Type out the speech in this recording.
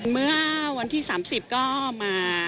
เมื่อวันที่๓๐ก็มา